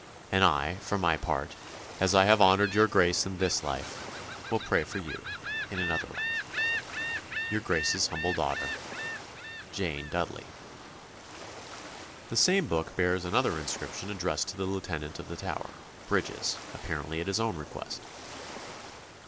And I, for my part, as I have honoured your Grace in this life, will pray for you in another life. "Your Grace's humble daughter, "JANE DUDDELEY." The same book bears another inscription addressed to the Lieutenant of the Tower, Bridges, apparently at his own request.